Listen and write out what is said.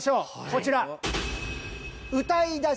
こちら！